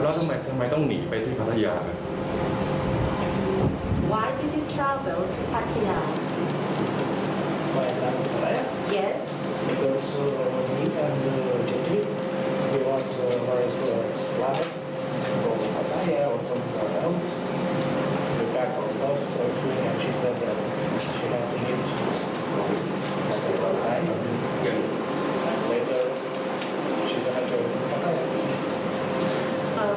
แล้วทำไมทำไมต้องหนีไปที่พัทยาครับ